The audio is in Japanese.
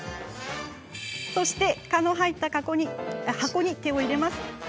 そして蚊の入った箱に手を入れます。